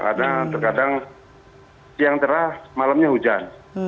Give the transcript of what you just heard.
karena terkadang siang cerah malamnya hujan